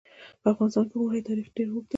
په افغانستان کې د اوړي تاریخ اوږد دی.